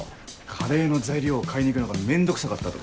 カレーの材料を買いに行くのが面倒くさかったと。